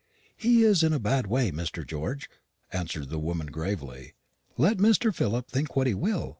"He is in a bad way, Mr. George," answered the woman gravely, "let Mr. Philip think what he will.